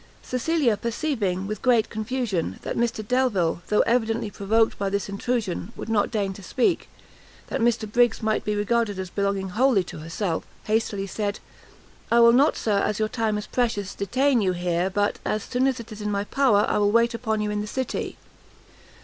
Cecilia, perceiving, with great confusion, that Mr Delvile, though evidently provoked by this intrusion, would not deign to speak, that Mr Briggs might be regarded as belonging wholly to herself, hastily said "I will not, Sir, as your time is precious, detain you here, but, as soon as it is in my power, I will wait upon you in the city."